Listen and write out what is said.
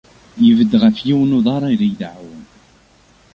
Yebded ɣef yiwen uḍar ar ideɛɛu.